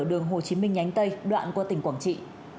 đường hồ chí minh nhánh tây đoạn qua tỉnh quảng trị